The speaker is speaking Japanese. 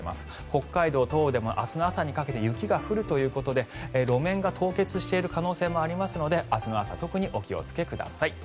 北海道東部でも明日の朝にかけて雪が降るということで路面が凍結している可能性もありますので明日の朝特にお気をつけください。